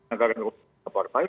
anggaran rumah tangga partai